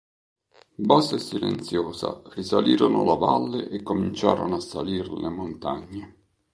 Bassa e silenziosa, risalirono la valle e cominciarono a salir le montagne.